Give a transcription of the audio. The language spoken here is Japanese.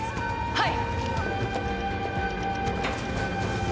はい！